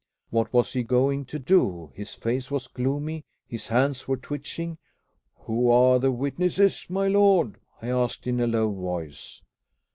What was he going to do? His face was gloomy, his hands were twitching. "Who are the witnesses, my lord?" I asked in a low voice.